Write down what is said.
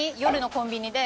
コンビニで？